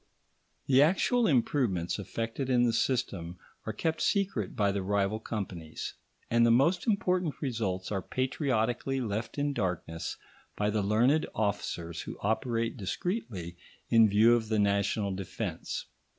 The actual improvements effected in the system are kept secret by the rival companies, and the most important results are patriotically left in darkness by the learned officers who operate discreetly in view of the national defence.